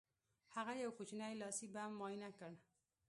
هغه یو کوچنی لاسي بم معاینه کړ